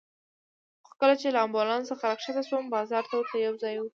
خو کله چې له امبولانس څخه راکښته شوم، بازار ته ورته یو ځای و.